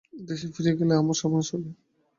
দেশে ফিরিয়া গেলে আমার সর্বনাশ হইবে।